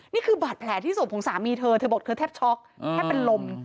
นี่คือบาดแผลที่ศพของสามีเธอเธอบอกเธอแทบช็อกแทบเป็นลม